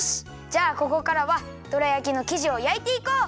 じゃあここからはどら焼きのきじをやいていこう！